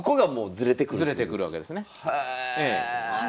ズレてくるわけですね。